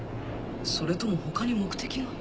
それとも他に目的が？